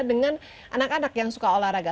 dengan anak anak yang suka olahraga